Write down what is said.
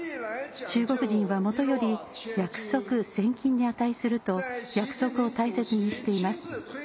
中国人はもとより約束千金に値すると約束を大切にしています。